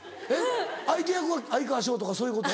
相手役が哀川翔とかそういうこと？